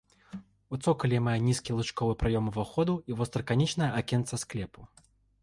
У цокалі мае нізкі лучковы праём уваходу і востраканечнае акенца склепу.